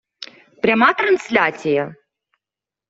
Пряма трансляція?